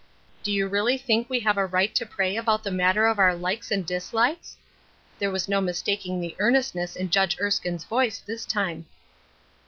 '* Do you really think we have a right to pray about the matter of our likes and dislikes?" There was no mistaking the earnestness in Judge Erskine's voice this time.